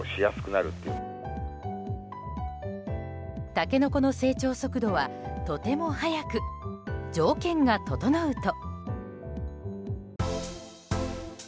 タケノコの成長速度はとても早く、条件が整うと。